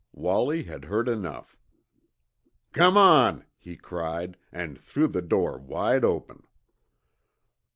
Wallie had heard enough. "Come on!" he cried, and threw the door wide open.